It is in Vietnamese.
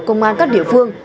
công an các địa phương